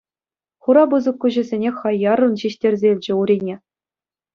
Хура пысӑк куҫӗсене хаяррӑн ҫиҫтерсе илчӗ Урине.